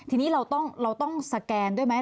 ทีนี้เราต้องสแกนด้วยไหม